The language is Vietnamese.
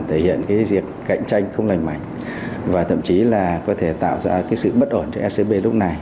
một việc cạnh tranh không lành mạnh và thậm chí là có thể tạo ra sự bất ổn cho scb lúc này